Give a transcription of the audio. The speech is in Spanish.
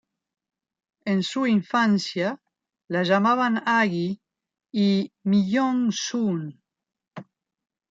En su infancia la llamaban Agi y Myeong-soon.